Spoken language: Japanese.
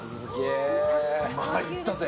参ったぜ。